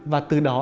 và từ đó